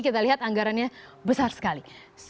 kita lihat anggarannya besar sekali